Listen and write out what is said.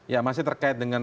ya masih terkait dengan